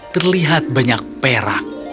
terlihat banyak perak